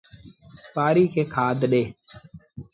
ٻآري کي کآڌ ڏي۔